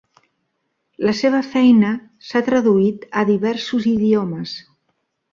La seva feina s"ha traduït a diversos idiomes.